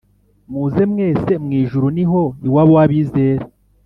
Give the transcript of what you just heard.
muze mwese mwijuru niho iwabo wabizera